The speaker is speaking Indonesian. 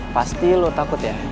pasti lo takut ya